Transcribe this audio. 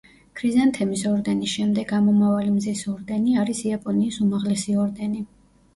ქრიზანთემის ორდენის შემდეგ ამომავალი მზის ორდენი არის იაპონიის უმაღლესი ორდენი.